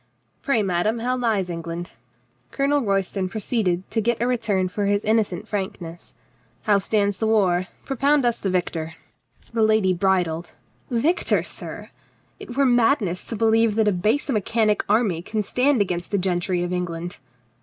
Pray, madame, how lies England?" (Colonel Royston proceeded to get a return for his innocent frank ness.) "How stands the war? Propound us the victor." 14 COLONEL GREATHEART The lady bridled. "Victor, sir? It were madness to believe that a base mechanic army can stand against the gentry of England."